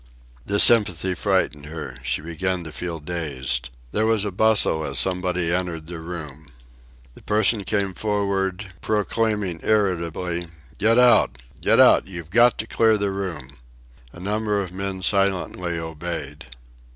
This sympathy frightened her. She began to feel dazed. There was a bustle as somebody entered the room. The person came forward, proclaiming irritably: "Get out! Get out! You've got to clear the room!" A number of men silently obeyed.